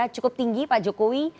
cukup tinggi pak jokowi